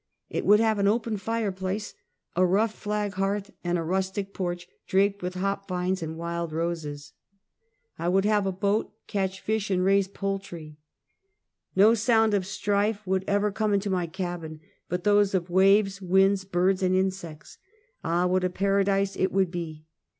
It would have an open fire place, a rough flag hearth, and a rustic porch, draped with hop vines and wild roses. I would have Finance and Desektion. 169 a boat, catch fisli and raise poultry. ISTo sound of strife should ever come into my cabin but those of waves, winds, birds and insects. Ah, what a paradise it would be!